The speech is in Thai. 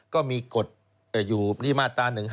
ก็มีกฎอยู่ที่มาตรา๑๕